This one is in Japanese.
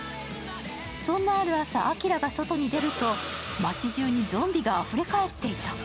そんなある朝、輝が外に出ると、町じゅうに、ゾンビがあふれかえっていた。